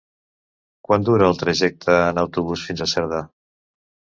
Quant dura el trajecte en autobús fins a Cerdà?